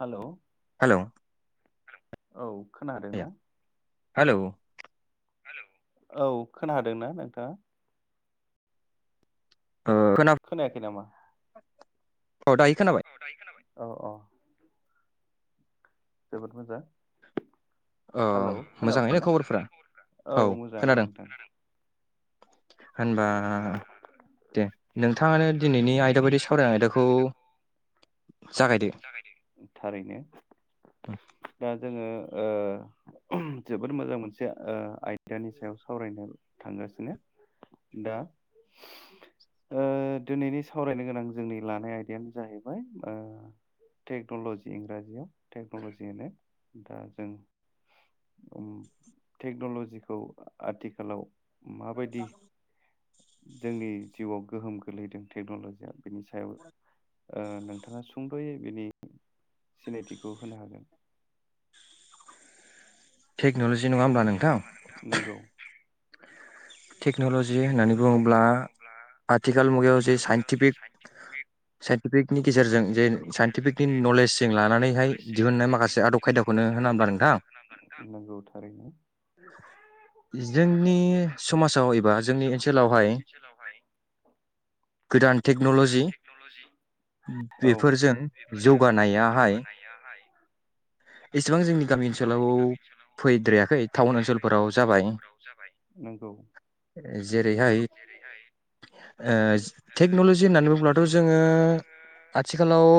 Hello hello औ खोनादों आया ना हेलौ औ खोनादोंना नोंथाङा ओ खोना खोनायाखै नामा औ दायो खोनाबाय औ अ जोबोद मोजां अ हेलौ मोजाङैनो खोनाबानो खबरफोरा औ औ मोजाङानो खोनादों नोंथां होनबा दे नों थाङानो दिनैनि आयदा बायदि सावरायनाय आयदाखौ जागायदो जागायदो थारैनो दा जोङो ओ जोबोद मोजां मोनसे ओ आय दानि सायाव सावरायनो थांगासिनो दा ओ दिनैनि सावरायनो गोनां जोंनि लानाय आयदायानो जाहैबाय ओ टेक्न'ल'जि इंराजियाव टेक्नल'जि होनो दा जों टेक्न'ल'जिखौ आथिखालाव माबायदि जोंनि जिउआव गोहोम गोलैदों टेक्न'लजिया बेनि सायाव ओ नोंथाङा सुंद'यै बेनि सिनायथिखौ होनो हागोन टेक्न'लजि नङा होमबा नोंथां नोंगौ। टेक्न'लजि होननानै बुङोब्ला आथिखाल मुगायाव जे साइन्टिफिक साइन्टिफिकनि गेजेरजों जे साइन्टिफिकनि नलेजजों लानानैहाय दिहुननाय माखासे आदब खायदाखौनो होना होनबा नोंथां नंगौ थारैनो जोंनि समाजाव ए समाजाव एबा जोंनि ओनसोलावहाय गोदान टेक्न'लजि गोदान टेक्न'लजि औ बेफोरजों बेफोरजों जौगानायाहाय जौगानायाहाय एसेबां जोंनि गामि एसेबां ओनसोलाव जोंनि गामि ओनसोलाव फैद्रायाखै टाउन फैद्रायाखै ओनसोलफोराव टाउन ओनसोलफोराव जाबाय नोंगौ। ओ जेरैहाय ओ टेक्न'लजि होननानै बुंब्लाथ' जोङो आथिखालाव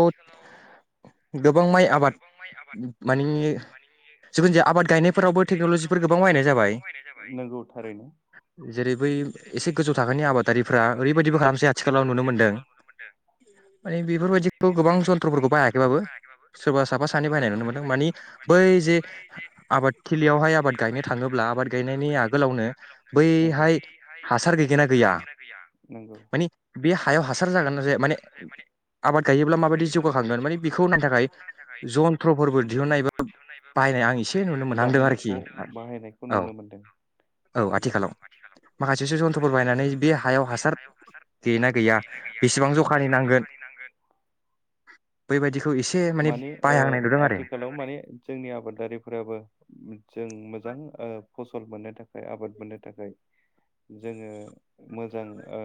गोबां माइ आबाद माने जिखुन जाया आबाद गायनायफोरावबो टेक्न'लजिफोर गोबां बाहायनाय जाबाय। नंगौ थारैनो [inaudible] जेरै बै एसे गोजौ थाखोनि आबादारिफ्रा ओरैबायदिबो खालामसै आथिखालाव नुनो मोनदों माने बेफोरबायदिखौ गोबां जन्थ्र'फोरखौ बायाखैबाबो सोरबा साफा सानै बाहायनाय नुनो मोन्दों मानि बै जे आबादथिलियावहाय आबाद गायनो थाङोब्ला आबाद गायनायनि आगोलावनो नोंगौ बैहाय हासार गैगोना गैया नोंगौ मानि बे हायाव हासार जागोन जाया माने आबाद गायोब्ला माबायदि जौगाखांगोन मानि बिखौ नायनो थाखाय जन्थ्रफोरबो दिहुननाय एबा जन्थ्र'फोरबो दिहुननाय एबा बाहायनाय आं एसे नुनो बाहायनाय आं एसे नुनो मोनहांदों आरोखि बाहायनायखौ-बाहायनायखौ औ नुनो मोनदों औ। औ आथिखालाव आथिखालाव माखासेसो जन्थ्र'फोर बाहायनानै बे हायाव हासार गैयोना गैया बेसेबां जखानि नांगोन बैबायदिखौ एसे बेबायदिखौ इसे माने मानि ओ बायहांनाय नुदों आरो आथिखालाव माने जोंनि आबादारिफोराबो उम जों मो [unintelligible] ओ फसल मोननो थाखाय आबाद मोननो थाखाय जोङो मोजां ओ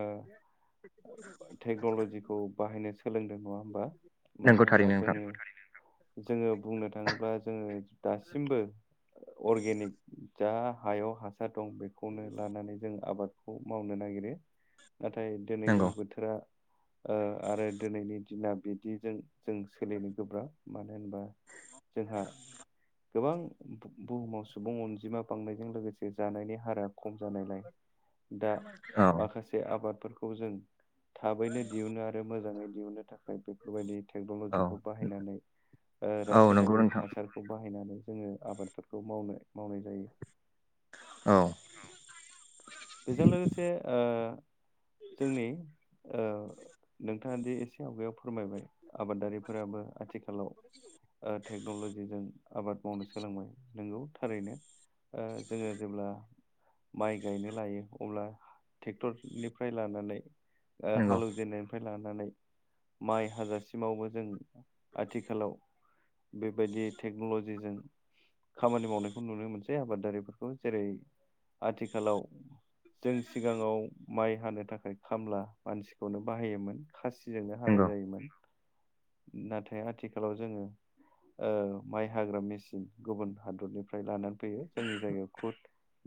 टेक्न'लजिखौ बाहायनो सोलोंदों नङा होमबा। मानो नंगौ होनबा थारैनो जोङो नोंथां नोंगौ थारैनो नोंथां। जोङो बुंनो थाङोबा जोङो दासिमबो अर्गेनिक जा हायाव हासार दं बेखौनो नै जों आबादखौ मावनो नागिरो। नाथाय दोनैनि नंगौ बोथोरा ओ आरो दोनैनि दिना बिदिजों जों सोलिनो गोब्राब मानो होनबा जोंहा गोबां बु-बुहुमाव सुबुं अनजिमा बांनायजों लोगोसे जानायनि हारा खम जानायलाय दा औ माखासे आबाद फोरखौ जों थाबैनो दिहुनो आरो मोजाङै दिहुननो थाखाय बेफोरबायदि औ टेक्नलजिखौ बाहायनानै ओ औ नंगौ रासायनारिक नोंथां हासारखौ बा हायनानै जोङो आबादफोरखौ मावनो मावनाय जायो। औ। बेजों लोगोसे ओ जोंनि ओ नोंथाङा दि एसे आवगायाव फोरमायबाय। आबादारिफोराबो आथिखालाव ओ टेक्नलजिजों आबाद मावनो सोलोंबाय नंगौ थारैनो ओ जोङो जेब्ला माइ गायनो लायो अब्ला टेक्टरनिफ्राय लानानै ओ नंगौ हालेवजेननायनिफ्राय ला नानै माइ हाजासिमावबो जों आथिखालाव बेबायदि टेक्न'लजिजों खामानि मावनायखौ नुनो मोनसै। बे आबादारिफोरखौ जेरै आथिखालाव जों सिगाङाव माइ हानो थाखाय खामला मानसिखौनो बाहायोमोन खासि जोंनो हानाय नंगौ जायोमोन। नाथाय आथिखालाव जोङो ओ माइ हाग्रा मेचिन गुबुन हादरनिफ्राय लानानै फैयो जोंनि जायगायाव खुद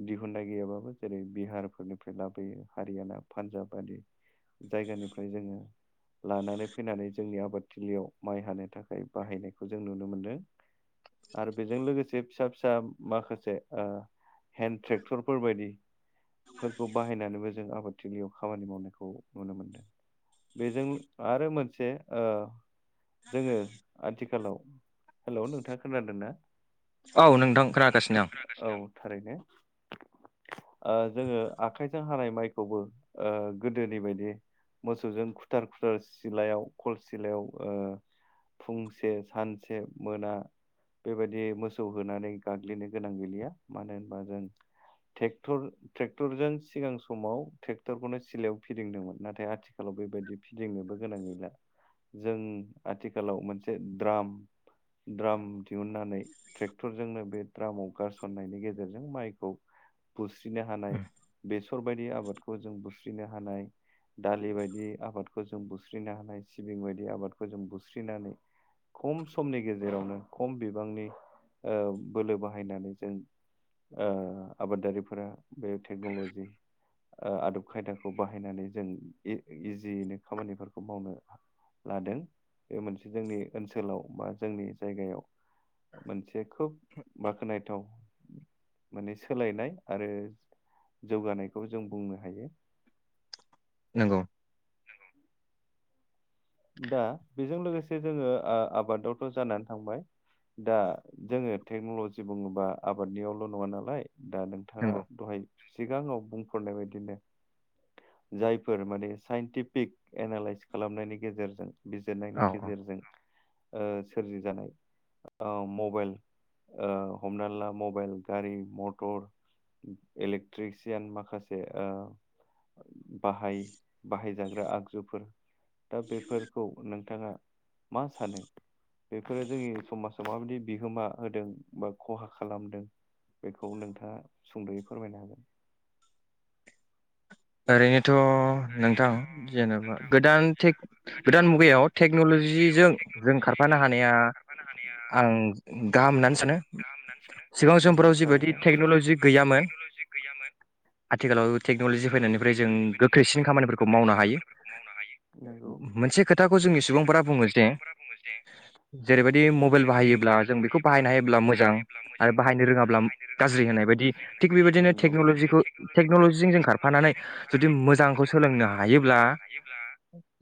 दिहुननाय गैयाबाबो जेरै बिहारफोरनिफ्राय लाबोयो हारियाना, पान्जाब बायदि जायगानिफ्राय जोङो लानानै फैनानै जोंनि आबादथिलियाव माइ हानो थाखाय बाहायनायखौ जों नुनो मोनदों आरो बेजों लोगोसे फिसा फिसा माखासे ओ हेन्ड ट्रेक्टरफोरबायदि फोरखौ बाहायनानैबो जों आबाद थिलियाव खामानि मावनायखौ नुनो मोनदों बेजों आरो मोनसे ओ जोङो आथिखालाव हेलौ नोंथाङा खोनादों ना? औ नोंथां खोनागासिनो आं। औ थारैनो ओ जोङो आखाइजों हानाय माइखौबो ओ गोदोनि बायदि मोसौजों खुथार खुथार सिलायाव खल सिलायाव ओ फुंसे सानसे मोना बेबायदि मोसौ होनानै गाग्लिनो गोनां गैलिया मानो होनबा जों टेक्टर-ट्रेक्टरजों सिगां समाव ट्रेक्टरखौनो सिलायाव फिदिंदोंमोन नाथाय आथिखालाव बेबायदि फिदिंनोबो गोनां गैला जों आथिखालाव मोनसे द्राम द्राम दिहुननानै ट्रेक्टरजोंनो बे द्रामाव गारसननायनि गेजेरजों माइखौ बुस्रिनो हानाय उम, बेसर बायदि आबादखौ जों बुस्रिनो हानाय दालि बायदि आबादखौ जों बुस्रिनो हानाय सिबिं बायदि आबादखौ जों बुस्रिनानै खम समनि गेजेरावनो खम बिबांनि ओ बोलो बाहायनानै जों ओ आबादारिफोरा बे टेक्न'लजि ओ आदब खायदाखौ बाहायनानै जों इ-इजियैनो खामानिफोरखौ मावनो लादों बे मोनसे जोंनि ओनसोलाव बा जोंनि जायगायाव मोनसे खोब बाख्नायथाव माने सोलायनाय आरो जौगानायखौ जों बुंनो हायो। नोंगौ दा बेजों लोगोसे जोङो ओ आबादावथ' जानानै थांबाय दा जोङो टेक्न'लजि बुङोबा आबादनियावल' नङा नालाय दा नोंथाङा नंगौ दहाय सिगाङाव बुंफोरनाय बायदिनो जायफोर माने साइन्टिफिक एनालइस खालामनायनि गेजेरजों बिजिरनायनि औ औ गेजेरजों ओ सोरजि जानाय ओ मबाइल ओ हमना ला मबाइल गारि मटर इलेक्ट्रिसियान माखासे ओ बाहाय-बाहायजाग्रा आगजुफोर दा बेफोरखौ नोंथाङा मा सानो बेफोरो जोंनि समाजाव माबायदि बिहोमा होदों बा खहा खालामदों बेखौ नोंथाङा सुंद'यै फोरमायनो हागोन। ओरैनो थ' नोंथां जेनेबा गोदान गोदान मुगायाव टेक्न'लजिजों जों खारफानो हानाया आं गाहाम होननानै सानो सिगां नोंगौ समफोराव थारैनो जिबायदि टेक्न'लजि गैयामोन आथिखालाव टेक्न'लजि फैनायनिफ्राय जों गोख ख्रैसिन खामानिफोरखौ मावनो हायो नोंगौ मोनसे खोथाखौ जोंनि सुबुंफोरा बुङो जे जेरैबायदि मबाइल बाहायोब्ला जों बेखौ बाहायनो हायोब्ला मोजां आरो बाहायनो रोङाब्ला गाज्रि होन्नाय बायदि थिग बेबायदिनो नंगौ, टेनलजिखौ टेक्न'लजिजों जों खार नानै जुदि मोजां जुदि मोजांखौ सोलोंनो हायोब्ला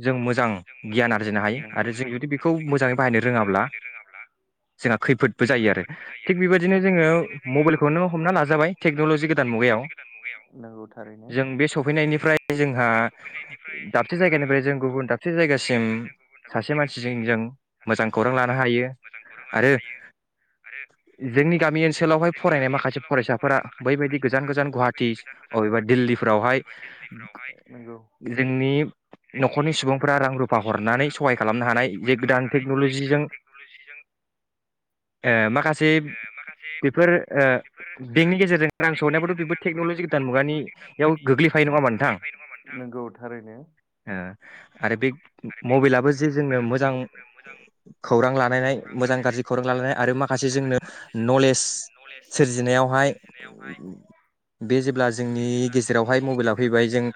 जों मोजां जों मोजां गियान आरजिनो हायो गियान आरो आरजिनो जों हायो जुदि आरो बेखौ जों जुदि मोजाङै बेखौ बाहायनो मोजाङै रोङाब्ला बाहायनो रोङाब्ला जोंहा खैफोदबो जोंहा जायो आरो खैफोदबो जायो थिग आरो बेबायदिनो थिग जोङो बेबायदिनो जोङो मबाइलखौनो हमना मबाइलखौ नों लाजाबाय हमना टेक्न'लजि लाजाबाय गोदान मुगायाव टेक्न'लजि गोदान मुगायाव जों बे सफैनायनिफ्राय जों। [unintelligible] दाबसे जायगानिफ्राय जों गुबुन दाबसे जायगासिम सासे मानसिजों जों मोजां खौरां लानो हायो आरो जोंनि गामि ओनसोलावहाय फरायनाय माखासे फरायसाफोरा बैबायदि गोजान गोजान गुवाहाटि अबेबा दिल्ली। फोरावहाय। नंगौ जोंनि न'खरनि सुबुंफोरा रां रुफा हरनानै सहाय खालामनो हानाय जे गोदान टेक्न'लजिजों ओ माखासे बेफोर ओ बेंकनि गेजेरजों रां सहैनायबाथ' बेफोर टेक्न'लजि गोदान मुगानि। बेयाव गोग्लैफायो नङा होमबा नोंथां। नंगौ थारैनो ओ आरो बे मबाइलाबो जे जोंनो मोजां खौरां लालायनाय मोजां गाज्रि खौरां लालायनाय आरो माखासे जोंनो नलेज सोरजिनायावहाय बे जेब्ला जोंनि गेजेरावहाय मबाइला फैबाय जों ओ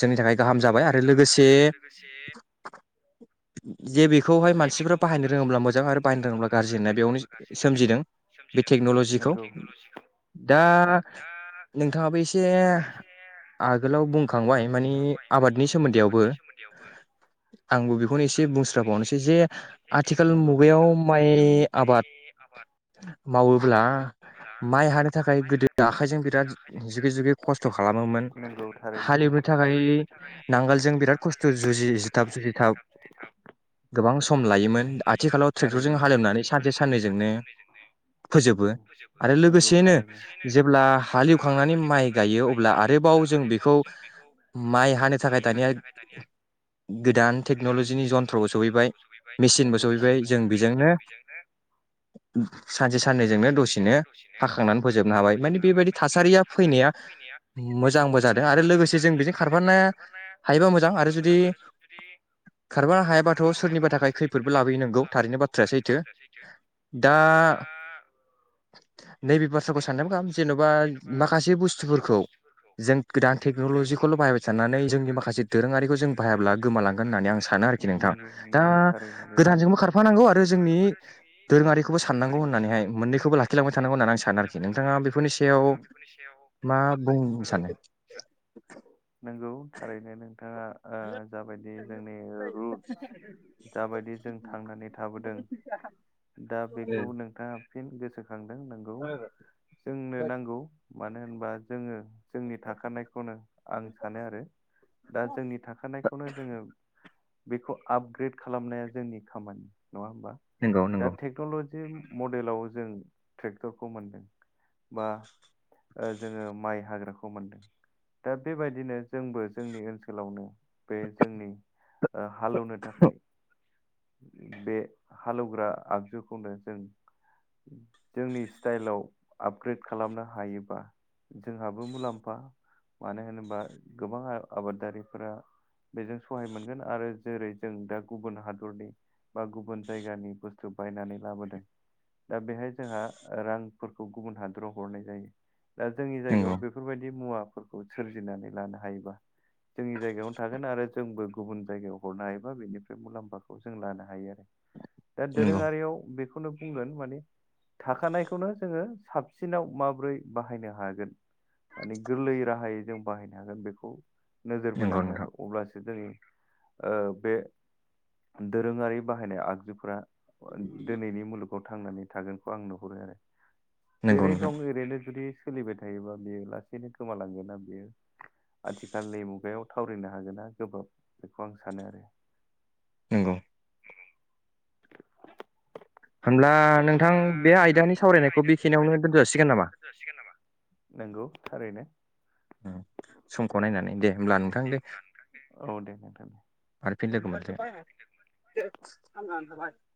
जोंनि थाखाय गाहाम जाबाय आरो लोगोसे जे बेखौहाय मानसिफोरा बाहायनो रोङोब्ला मोजां आरो बाहायनो रोङोब्ला गाज्रि होननाय बेयावनो सोमजिदों बे टेक्न'लजिखौ नंगौ दा नोंथाङाबो एसे। आगोलाव बुंखांबाय मानि आबादनि सोमोन्दैआवबो आंबो बेखौनो एसे बुंस्राबावनोसै जे आथिखाल नंगौ मुगायाव माइ आबाद मावोब्ला माइ हानो थाखाय गोदो आखाइजों बिराद। जुगे जुगे। खस्थ' खालामोमोन नंगौ थारैनो हालेवनो थाखाय नांगालजों बिराद खस्थ' जुजिथाब जुजिथाब गोबां सम लायोमोन आथिखालाव ट्रेक्टरजों थारैनो हालेवनानै सानसे साननैजोंनो फोजोबो आरो नंगौ लोगोसेयैनो थारैनो जेब्ला हालेव खांनानै। गायो अब्ला आरोबाव जों बेखौ माइ हानो थाखाय दानिया गोदान टेकनलजिनि जन्थ्रबो सहैबाय मेसिनबो नंगौ सफैबाय थारैनो जों बेजोंनो सानसे साननैजोंनो दसेनो हाखांनानै फोजोबनो हाबाय मानि बेबाय सारिया फैनाया। मोजांबो जादों आरो लोगोसे जों बेजों खारफानो हायोबा मोजां आरो जुदि खारफानो हायाबाथ' सोरनिबा थाखाय खैफोदबो लाबोयो नंगौ थारैनो बाथ्राया सैथो दा नैबे बाथ्राखौ साननाया गाहाम जेन'बा। बुस्थुफोरखौ जों गोदान टेक्न'लजिखौल' बाहायबाय थानानै जोंनि माखासे दोरोङारिखौ जों बाहायाब्ला गोमालांगोन होननानै आं सानो आरोखि नोंथां नंगौ दा नंगौ थारैनो बेबो गोदानजोंबो खारफानांगौ आरो जोंनि दोरोङारिखौबो साननांगौ होननानैहाय मोननैखौबो लाखिलांबाय थानांगौ होननानै आं सानो आरोखि नोंथाङा बेफोरनि सायाव मा बुंनो सानो। नंगौ थारैनो नोंथाङा ओ जाबायदि जोंनि रुटस जाबायदि जों थांनानै थाबोदों दा बेखौ नोंथाङा फिन गोसो खांदों नंगौ जोंनो नांगौ होनबा जोङो जोंनि थाखानायखौनो आं सानो आरो दा जोंनि थाखानायखौनो जोङो बेखौ आपग्रेड खालामनाया जोंनि खामानि। नङा होमबा नंगौ दा नंगौ टेक्न'लजि [unintelligible] मडेलाव जों ट्रेक्टरखौ मोनदों बा ओ जोङो माइ हाग्राखौ मोनदों दा बेबायदिनो जोंबो जोंनि ओनसोलावनो बे जोंनि ओ हालेवनो थाखाय बे हालौवग्रा आगजुखौनो जों जोंनि स्टाइलाव आपग्रेड खालामनो हायोबा जोंहाबो मुलाम्फा मानो होनोबा गोबां आबादारिफोरा बेजों सहाय मोनगोन आरो जेरै जों दा गुबुन हादरनि बा गुबुन जायगानि बुस्थु बायनानै लाबोदों दा बेहाय जोंहा रांफोरखौ गुबुन हादराव हरनाय जायो। दा जोंनि जायगायाव नंगौ बेफोरबायदि मुवा फोरखौ सोरजिनानै लानो हायोबा जोंनि जायगायावनो थागोन आरो जोंबो गुबुन जायगायाव हरनो हायोबा बेनिफ्राय मुलाम्फाखौ जों लानो हायो आरो दा नंगौ दोरोङारियाव बेखौ खौनो बुंगोन माने थाखानायखौनो जोङो साबसिनाव माब्रै बाहायनो हागोन। माने गोरलै राहायै जों बाहायनो हागोन बेखौ नोजोर नंगौ बोनांगोन आरो नोंथां अब्लासो जोङो ओ बे दोरोङारि बाहायनाय आगजुफोरा दिनैनि मुलुगाव थांनानै थागोनखौ आं नुहरो आरो नंगौ जेरै नोंथां दं ओरैनो जुदि सोलिबाय थायोबा बेयो लासैनो गोमालांगोन ना बियो आथिखालनि मुगायाव थावरिनो हागोन ना गोब्राब बेखौ आं सानो आरो नंगौ होमब्ला नोंथां हब्ला बे नोंथां आयदानि बे सावरायनायखौ आयदानि बेखिनियावनो सावरायनायखौ दोनथ' जासिगोन नामा बेखिनियावनोजोन जासिगोन नामा नंगौ थारैनो उम समखौ नायनानै दे होमब्ला नोंथां दे औ दे नोंथां आरो फिन लोगो मोन्थों। [inaudible]